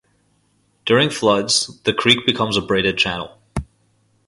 During floods the creek becomes a braided channel.